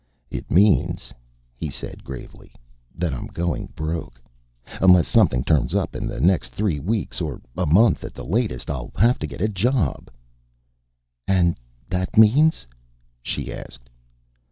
"It means," he said gravely, "that I'm going broke. Unless something turns up in the next three weeks, or a month at the latest, I'll have to get a job." "And that means " she asked.